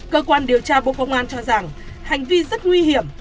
cơ quan điều tra bộ công an cho rằng hành vi rất nguy hiểm